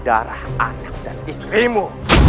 anak dan istrimu